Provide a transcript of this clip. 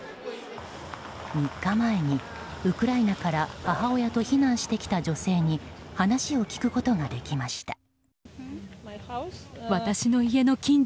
３日前にウクライナから母親と避難してきた女性に話を聞くことができました。